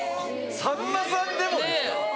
さんまさんでもですか？